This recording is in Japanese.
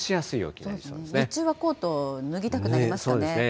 日中はコート、脱ぎたくなりますかね。